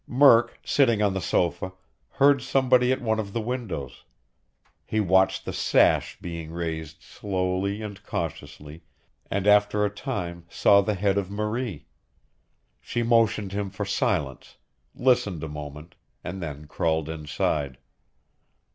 Murk, sitting on the sofa, heard somebody at one of the windows. He watched the sash being raised slowly and cautiously, and after a time saw the head of Marie. She motioned him for silence, listened a moment, and then crawled inside.